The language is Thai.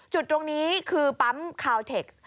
จุดตรงนี้คือปั๊มคาวเทคส